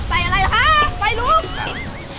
ใส่อะไรละคะไฟลุข